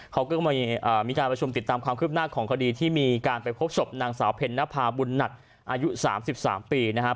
เขาก็มีการประชุมติดตามความคืบหน้าของคดีที่มีการไปพบศพนางสาวเพ็ญนภาบุญหนักอายุ๓๓ปีนะครับ